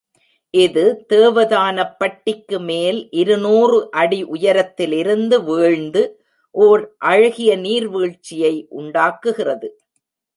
இது தேவதானப்பட்டிக்கு மேல் இருநூறு அடி உயரத்திலிருந்து வீழ்ந்து, ஓர் அழகிய நீர்வீழ்ச்சியை உண்டாக்குகிறது.